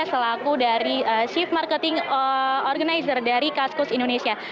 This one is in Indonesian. selaku dari chief marketing organizer dari kaskus indonesia